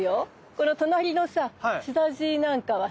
この隣のさスダジイなんかはさ